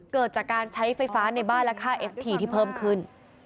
เกิดจากการใช้ไฟฟ้าในบ้านและค่าเอฟทีที่เพิ่มขึ้น